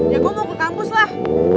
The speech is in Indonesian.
ya gue mau ke kampus lah